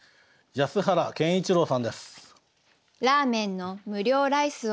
安原健一郎さんです。